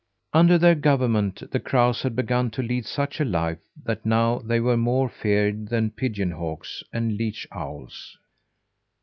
Under their government the crows had begun to lead such a life that now they were more feared than pigeon hawks and leech owls.